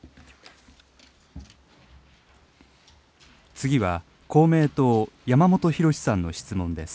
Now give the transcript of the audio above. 次は公明党、山本博司さんの質問です。